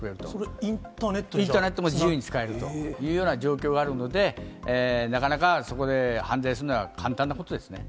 インターネットも自由に使えるというような状況があるので、なかなかそこで犯罪するのは簡単なことですね。